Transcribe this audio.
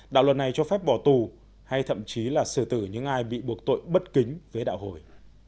đạo luật này cho phép bỏ tù hay thậm chí là sử tử những ai bị buộc tội bất kính với đạo hồi